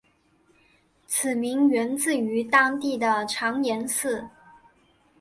地名源自于当地的长延寺。